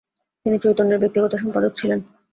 তিনি চৈতন্যের ব্যক্তিগত সম্পাদক ছিলেন।